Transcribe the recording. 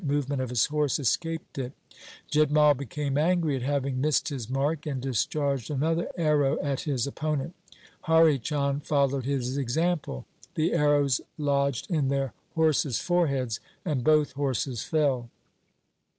movement of his horse escaped it. Jit Mai became angry at having missed his mark, and discharged another arrow at his opponent. Hari Chand followed his example. The arrows lodged in their horses' foreheads and both horses fell.